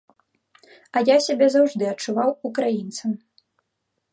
А я сябе заўжды адчуваў украінцам.